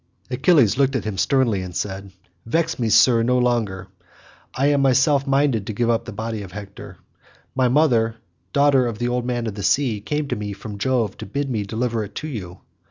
Achilles looked at him sternly and said, "Vex me, sir, no longer; I am of myself minded to give up the body of Hector. My mother, daughter of the old man of the sea, came to me from Jove to bid me deliver it to you.